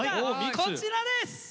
こちらです！